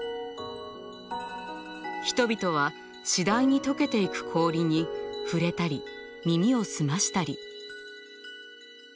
人々は次第に解けていく氷に触れたり耳を澄ましたり。